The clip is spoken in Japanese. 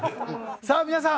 さあ皆さん！